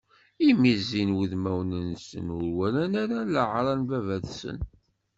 Imi i zzin wudmawen-nsen, ur walan ara leɛra n baba-tsen.